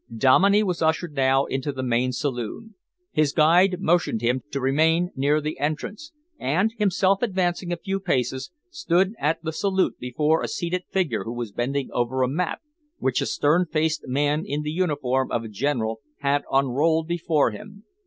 Dominey was ushered now into the main saloon. His guide motioned him to remain near the entrance, and, himself advancing a few paces, stood at the salute before a seated figure who was bending over a map, which a stern faced man in the uniform of a general had unrolled before him.